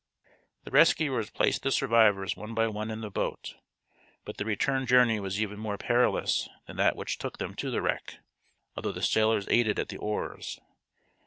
The rescuers placed the survivors one by one in the boat. But the return journey was even more perilous than that which took them to the wreck, although the sailors aided at the oars.